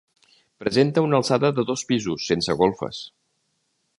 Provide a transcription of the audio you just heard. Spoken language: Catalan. Presenta una alçada de dos pisos, sense golfes.